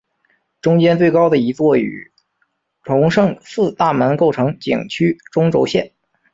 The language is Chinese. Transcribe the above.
中间最高的一座与崇圣寺大门构成景区中轴线。